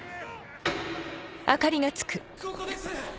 ・ここです！